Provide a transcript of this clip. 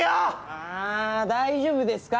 あぁ大丈夫ですか？